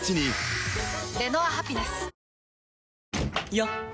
よっ！